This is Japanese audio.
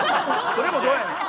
それもどうやねん。